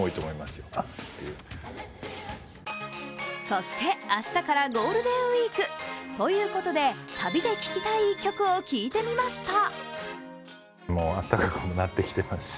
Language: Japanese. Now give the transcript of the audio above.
そして、明日からゴールデンウイーク。ということで、旅で聴きたい一曲を聴いてみました。